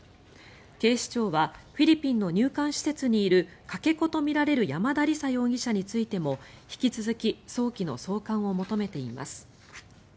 警視庁はフィリピンの入管施設にいるかけ子とみられる山田李沙容疑者についても引き続き早期の送還を求めています。